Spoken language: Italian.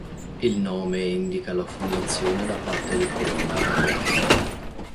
Il nome indica la fondazione da parte di coloni italiani.